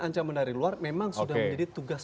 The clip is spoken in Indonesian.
ancaman dari luar memang sudah menjadi tugas